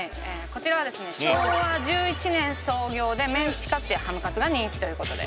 こちらはですね昭和１１年創業でメンチカツやハムカツが人気という事で。